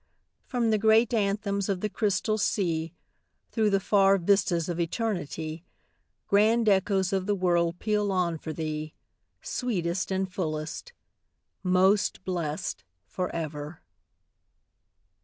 From the great anthems of the Crystal Sea, Through the far vistas of Eternity, Grand echoes of the word peal on for thee, Sweetest and fullest: 'Most blessed for ever.'